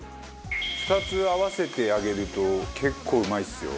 ２つ合わせてあげると結構うまいですよ。